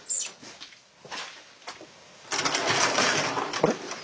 あれ？